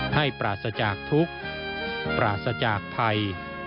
ให้ปราศจากทุกข์ปราศจากภัย